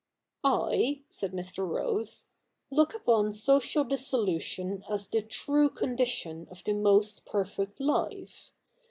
'I,' said Mr. Rose, 'look upon social dissolution as the true condition of the most perfect life.